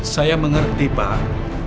saya mengerti pak